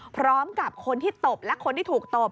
พร้อมกับคนที่ตบและคนที่ถูกตบ